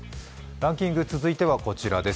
ランキング、続いてはこちらです。